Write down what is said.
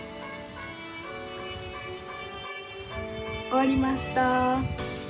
終わりました。